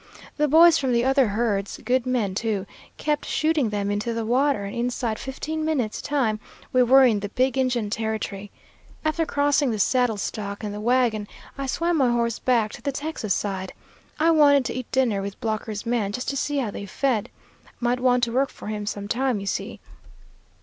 The boys from the other herds good men, too kept shooting them into the water, and inside fifteen minutes' time we were in the big Injun Territory. After crossing the saddle stock and the wagon, I swam my horse back to the Texas side. I wanted to eat dinner with Blocker's man, just to see how they fed. Might want to work for him some time, you see.